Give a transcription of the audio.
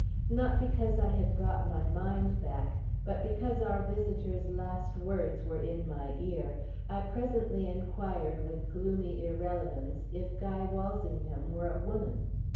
Not because I had brought my mind back, but because our visitors last words were in my ear, I presently enquired with gloomy irrelevance if Guy Walsingham were a woman.